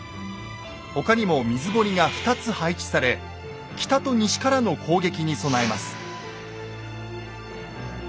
他にも水堀が２つ配置され北と西からの攻撃に備えます。